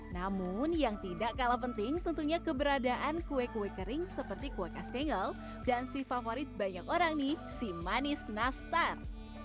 namun yang tidak kalah penting tentunya keberadaan kue kue kering seperti kue kasengal dan si favorit banyak orang nih si manis nastar